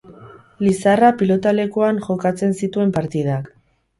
Lizarra Pilotalekuan jokatzen zituen partidak.